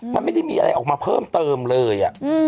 มันไม่ได้มีอะไรออกมาเพิ่มเติมเลย